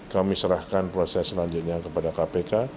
kami serahkan proses selanjutnya kepada kpk